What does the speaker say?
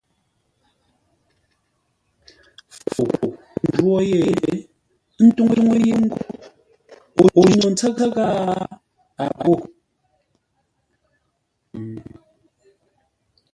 Fou tô ńjwó yé, ə́ ntúŋú yé ngô o jî no ntsə́ ghâa? A ghó.